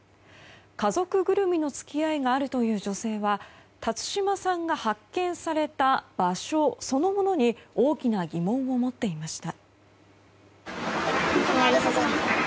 家族ぐるみの付き合いがあるという女性は、辰島さんが発見された場所そのものに大きな疑問を持っていました。